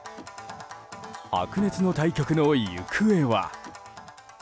白熱の対局の行方は。